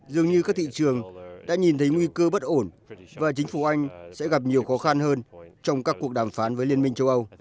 dường như các thị trường đã nhìn thấy nguy cơ bất ổn và chính phủ anh sẽ gặp nhiều khó khăn hơn trong các cuộc đàm phán với liên minh châu âu